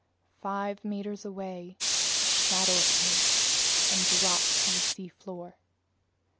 Five meters away a shadow appeared and dropped to the seafloor.